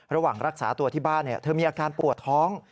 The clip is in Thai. ระหว่างรักษาตัวที่บ้านเธอมีอาการปวดท้อง